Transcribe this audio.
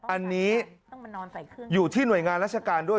อันนี้อยู่ที่หน่วยงานราชการด้วย